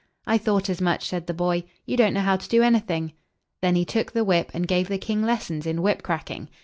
"I thought as much," said the boy. "You don't know how to do anything." Then he took the whip, and gave the king lessons in whip cracking.